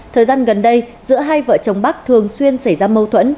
thời gian gần đây giữa hai vợ chồng bắc thường xuyên xảy ra mâu thuẫn